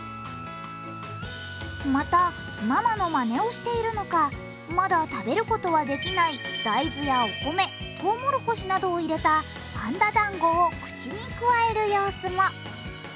またママのまねをしているのかまだ食べることはできない大豆やお米、とうもろこしなどを入れたパンダ団子を口にくわえる様子も。